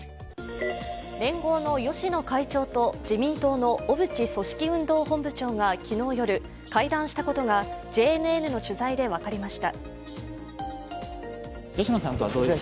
連合の芳野会長と自民党の小渕組織運動本部長が昨日夜、会談したことがＪＮＮの取材で分かりました。